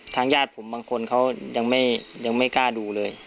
ญาติผมบางคนเขายังไม่กล้าดูเลย